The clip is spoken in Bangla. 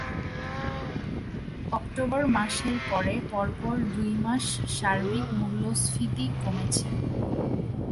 অক্টোবর মাসের পরে পরপর দুই মাস সার্বিক মূল্যস্ফীতি কমেছে।